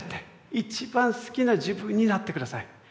一番好きな自分になって下さい。